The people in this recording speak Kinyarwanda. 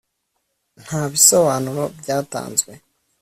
nta bisobanuro byatanzwe